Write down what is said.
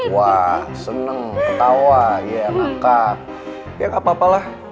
wah seneng ketawa ya maka ya gapapalah